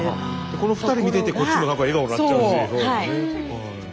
この２人見ててこっちもなんか笑顔になっちゃうし。